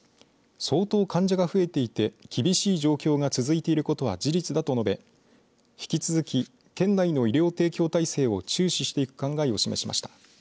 相当、患者が増えていて厳しい状況が続いていることは事実だと述べ引き続き県内の医療提供体制を注視していく考えを示しました。